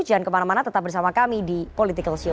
jangan kemana mana tetap bersama kami di politikalshow